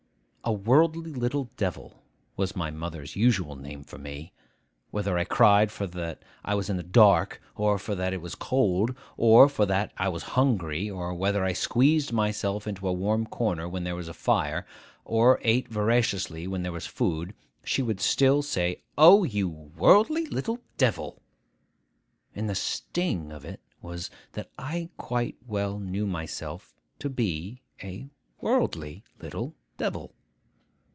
A worldly little devil was mother's usual name for me. Whether I cried for that I was in the dark, or for that it was cold, or for that I was hungry, or whether I squeezed myself into a warm corner when there was a fire, or ate voraciously when there was food, she would still say, 'O, you worldly little devil!' And the sting of it was, that I quite well knew myself to be a worldly little devil.